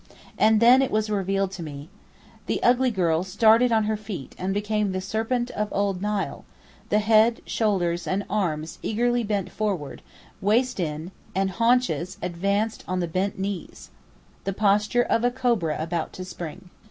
And then it was revealed to me. The ugly girl started on her feet and became the 'serpent of old Nile,'—the head, shoulders and arms eagerly bent forward, waist in, and haunches advanced on the bent knees—the posture of a cobra about to spring.